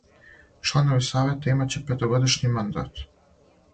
Чланови савета имаће петогодишњи мандат.